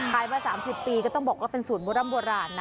ขายมา๓๐ปีก็ต้องบอกว่าเป็นสูตรโบราณ